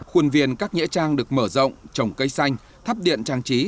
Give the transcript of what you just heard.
khuôn viên các nghĩa trang được mở rộng trồng cây xanh thắp điện trang trí